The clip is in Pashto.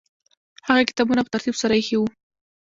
هغه کتابونه په ترتیب سره ایښي وو.